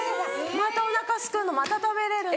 またお腹すくのまた食べれるの。